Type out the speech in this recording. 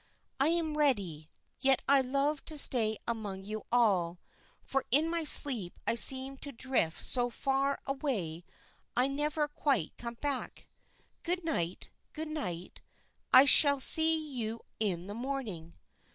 "I am ready, yet I love to stay among you all, for in my sleep I seem to drift so far away I never quite come back. Good night, good night; I shall see you in the morning."